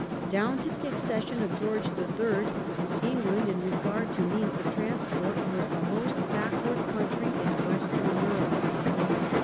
Down to the accession of George III. England, in regard to means of transport, was the most backward country in Western Europe.